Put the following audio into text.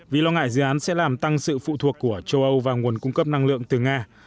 vì lo ngại dự án sẽ làm tăng sự phụ thuộc của châu âu và nguồn cung cấp năng lượng từ nga